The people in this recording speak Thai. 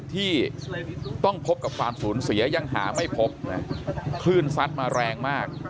ที่ต้องพบกับความสูญเสียยังหาไม่พบนะคลื่นซัดมาแรงมาก